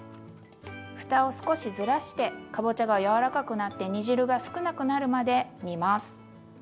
ふたを少しずらしてかぼちゃが柔らかくなって煮汁が少なくなるまで煮ます。